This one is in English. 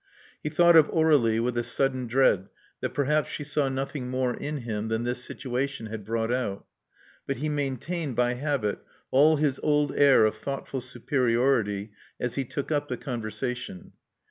He thought of Aur^lie with a sudden dread that perhaps she saw nothing more in him than this situation had brought out. But he maintained, by habit, all his old air of thoughtful superiority as he took up the conversation.